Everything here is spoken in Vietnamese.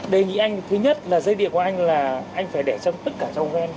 đề nghị anh thứ nhất là dây địa của anh là anh phải để trong tất cả trong gen